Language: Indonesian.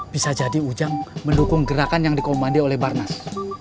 bisa jadi ujang mendukung gerakan yang dikomandi oleh barnas